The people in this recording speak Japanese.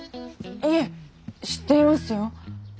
いえ知っていますよ。